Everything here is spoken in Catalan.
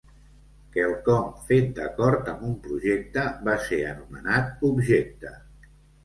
Quelcom fet d'acord amb un projecte va ser anomenat objecte.